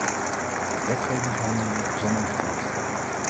De wetgevingshandelingen zijn ingediend.